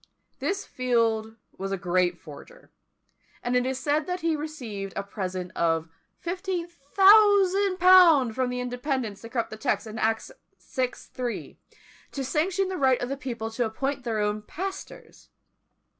This Field was a great forger; and it is said that he received a present of 1500_l._ from the Independents to corrupt a text in Acts vi. 3, to sanction the right of the people to appoint their own pastors.